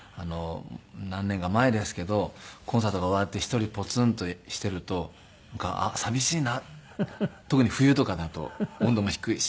何年か前ですけどコンサートが終わって一人ポツンとしているとあっ寂しいな特に冬とかだと温度も低いし。